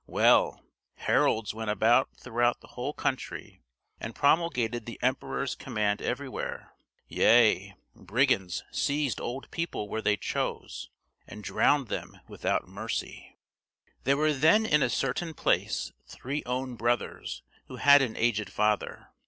Well, heralds went about throughout the whole country, and promulgated the emperor's command everywhere yea, brigands seized old people where they chose, and drowned them without mercy. There were then in a certain place three own brothers, who had an aged father.